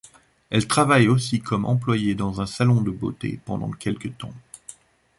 Elle travaille aussi comme employée dans un salon de beauté pendant quelque temps.